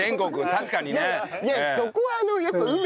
確かにね。